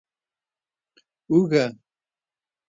🧄 اوږه